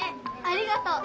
ありがとう。